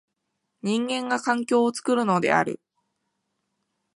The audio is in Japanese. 人間が環境を作るのである。